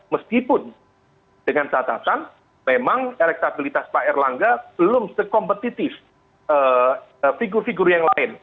meskipun dengan catatan memang elektabilitas pak erlangga belum sekompetitif figur figur yang lain